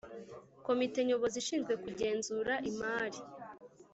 Komite nyobozi ishinzwe kugenzura imari